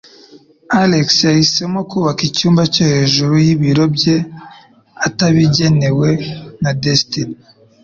Alex yahisemo kubaka icyumba cyo hejuru y'ibiro bye, atabigenewe na Destiny.